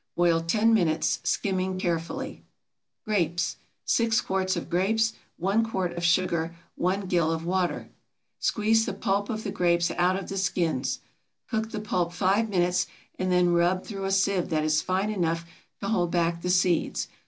Boil ten minutes, skimming carefully. GRAPES. 6 quarts of grapes. 1 quart of sugar. 1 gill of water. Squeeze the pulp of the grapes out of the skins. Cook the pulp five minutes and then rub through a sieve that is fine enough to hold back the seeds.